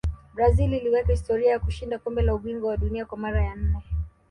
brazil iliweka historia ya kushinda kombe la ubingwa wa dunia kwa mara ya nne